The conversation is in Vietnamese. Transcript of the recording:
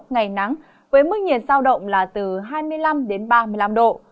ngày nắng với mức nhiệt sao động là từ hai mươi năm đến ba mươi năm độ